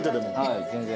はい全然。